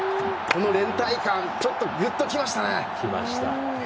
この連帯感ちょっとグッと来ましたね。